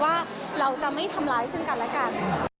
ว่าเราจะไม่ทำร้ายซึ่งกันและกัน